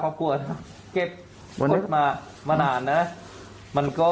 ข้อควรเก็บเบื้องนี้มามานานนะมันก็